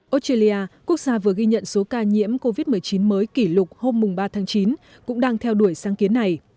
australia quốc gia vừa ghi nhận số ca nhiễm covid một mươi chín mới kỷ lục hôm ba tháng chín cũng đang theo đuổi sáng kiến này